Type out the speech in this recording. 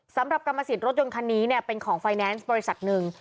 สำหรับกรรมสิทธิรถยนต์คันนี้เนี่ยเป็นของไฟแนนซ์บริษัทหนึ่ง